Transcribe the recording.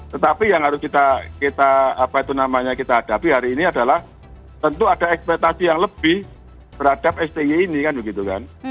tetapi yang harus kita apa itu namanya kita hadapi hari ini adalah tentu ada ekspektasi yang lebih berhadap sti ini kan begitu kan